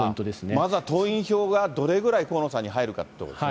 まずは党員票が、どれぐらい河野さんに入るかということですね。